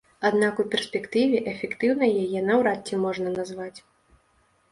Аднак у перспектыве эфектыўнай яе наўрад ці можна назваць.